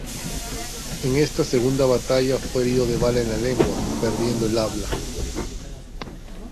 En esta segunda batalla fue herido de bala en la lengua, perdiendo el habla.